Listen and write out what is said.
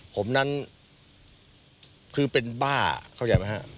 ผมนั้นคือเป็นบ้าเข้าใจไหมครับ